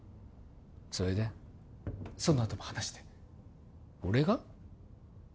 それでそのあとも話して俺が？